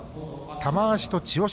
玉鷲と千代翔